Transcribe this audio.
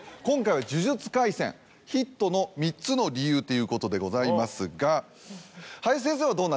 今回は『呪術廻戦』ヒットの３つの理由っていうことでございますが。